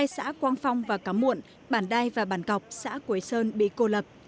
hai xã quang phong và cá muộn bản đai và bản cọc xã quế sơn bị cô lập